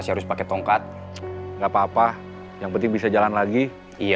siapa sih yang pusing saya tuh